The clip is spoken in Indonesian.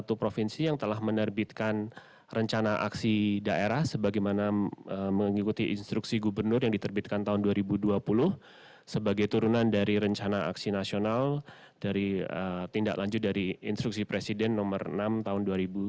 satu provinsi yang telah menerbitkan rencana aksi daerah sebagaimana mengikuti instruksi gubernur yang diterbitkan tahun dua ribu dua puluh sebagai turunan dari rencana aksi nasional dari tindak lanjut dari instruksi presiden nomor enam tahun dua ribu dua puluh